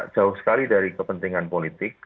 jauh sekali dari kepentingan politik